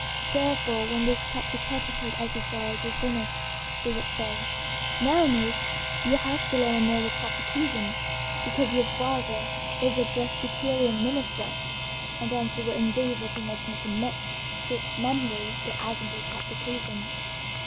Therefore when this catechetical exercise was finished she would say, 'Now, niece, you have to learn another catechism, because your father is a Presbyterian minister,' and then she would endeavor to make me commit to memory the Assembly catechism.